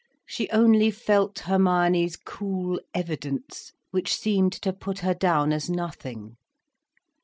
She only felt Hermione's cool evidence, which seemed to put her down as nothing.